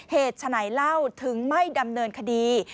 เหตุฉะนายเล่าถึงไม่ดำเนินคดี